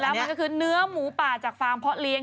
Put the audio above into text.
แล้วมันก็คือเนื้อหมูป่าจากฟาร์มเพาะเลี้ย